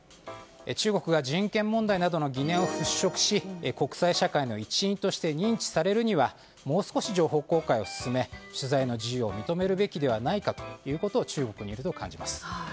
中国が人権問題などの疑念を払拭し国際社会の一員として認知されるにはもう少し情報公開を進め取材の自由を認めるべきではないかと中国にいると感じます。